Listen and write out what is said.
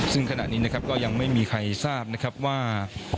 ซึ่งขณะนี้นะครับก็ยังไม่มีใครทราบนะครับว่า